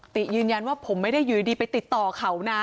ติยืนยันว่าผมไม่ได้อยู่ดีไปติดต่อเขานะ